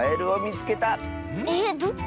えっどこ？